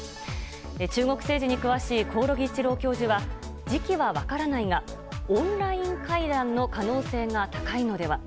中国政治に詳しい興梠一郎教授は時期は分からないがオンライン会談の可能性が高いのでは。